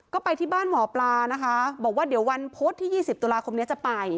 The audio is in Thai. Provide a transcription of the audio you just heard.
ก็ไปที่บ้านหมอปลานะคะบอกว่าเดี๋ยววันพุธที่๒๐ตุลาคมนี้จะไป